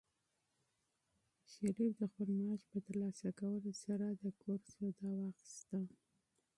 شریف د خپل معاش په ترلاسه کولو سره د کور سودا واخیسته.